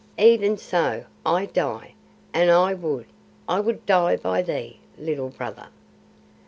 "Even so. I die, and I would I would die by thee, Little Brother."